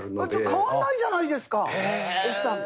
変わんないじゃないですか！奥さんと。